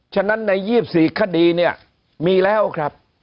ฉะนั้นใน๒๔คดีเนี่ยมีแล้วครับ